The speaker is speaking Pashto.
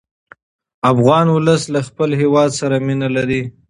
افغان ولس له خپل هېواد سره مینه لري.